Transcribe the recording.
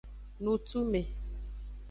Nutume.